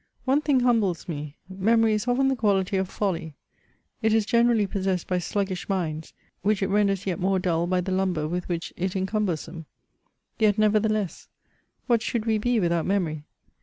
One thing humbles me: memory ia of^n the quality of folly : it is generally possessed by sluggish minds, whieh it renders yet more dull by the lumber with which it incamben them. Yet, nevertheless, what should we be without memory